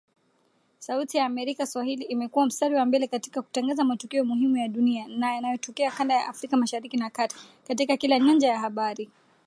Sauti ya Amerika Swahili imekua mstari wa mbele katika kutangaza matukio muhimu ya dunia na yanayotokea kanda ya Afrika Mashariki na Kati, katika kila nyanja ya habari.